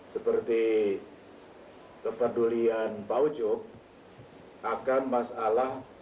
seperti kepedulian pak ucup akan masalah pak